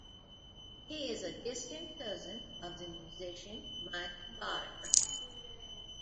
He is a distant cousin of the musician Michael Boddicker.